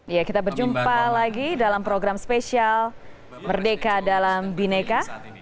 ya kita berjumpa lagi dalam program spesial merdeka dalam bineka